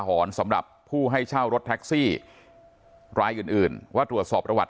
หอนสำหรับผู้ให้เช่ารถแท็กซี่รายอื่นอื่นว่าตรวจสอบประวัติ